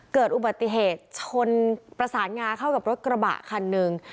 เกิดอุบัติเหตุชนประสานงาเข้ากับรถกระบะคันหนึ่ง